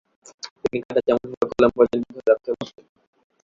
তিনি কাঁটাচামচ বা কলম পর্যন্ত ধরে রাখতে পারতেন না ।